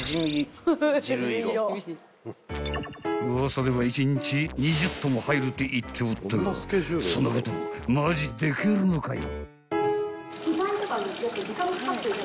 ［ウワサでは１日２０湯も入るって言っておったがそんなことマジできるのかよ］